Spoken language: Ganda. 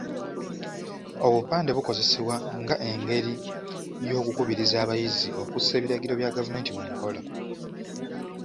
Obupande bukozesebwa nga engeri y’okukubiriza abayizi okussa ebiragiro bya gavumenti mu nkola.